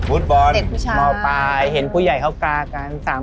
ฟุตบอลเสร็จผู้ชายมปลายเห็นผู้ใหญ่เขากลากัน